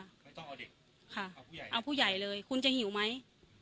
ไม่ต้องเอาเด็กค่ะเอาผู้ใหญ่เอาผู้ใหญ่เลยคุณจะหิวไหม